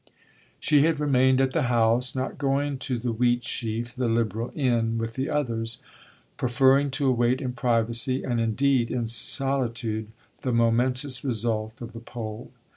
She had remained at the house, not going to the Wheatsheaf, the Liberal inn, with the others; preferring to await in privacy and indeed in solitude the momentous result of the poll.